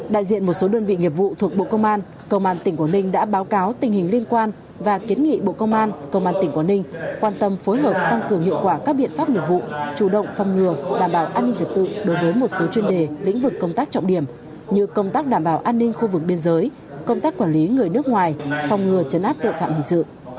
đại diện một số đơn vị nghiệp vụ thuộc bộ công an công an tỉnh quảng ninh đã báo cáo tình hình liên quan và kiến nghị bộ công an công an tỉnh quảng ninh quan tâm phối hợp tăng cường hiệu quả các biện pháp nghiệp vụ chủ động phòng ngừa đảm bảo an ninh trật tự đối với một số chuyên đề lĩnh vực công tác trọng điểm như công tác đảm bảo an ninh khu vực biên giới công tác quản lý người nước ngoài phòng ngừa chấn áp tội phạm hình sự